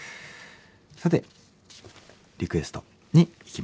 さてリクエストにいきましょう。